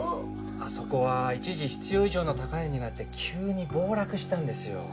あそこは一時必要以上の高値になって急に暴落したんですよ。